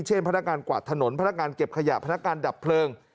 พนักงานกวาดถนนพนักงานเก็บขยะพนักการดับเพลิง